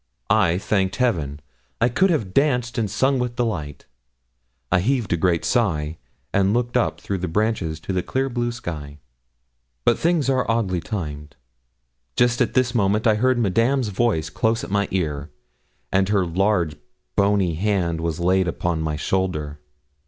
I thanked heaven; I could have danced and sung with delight; I heaved a great sigh and looked up through the branches to the clear blue sky. But things are oddly timed. Just at this moment I heard Madame's voice close at my ear, and her large bony hand was laid on my shoulder.